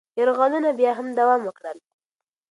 یرغلونه بیا هم دوام وکړل.